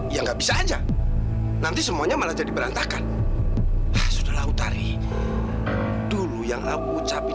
ya nggak bisa aja nanti semuanya malah jadi berantakan sudah aku tari dulu yang aku ucapin